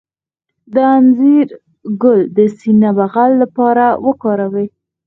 د انځر ګل د سینه بغل لپاره وکاروئ